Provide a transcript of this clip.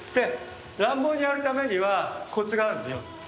乱暴にやるためにはコツがあるんだよ。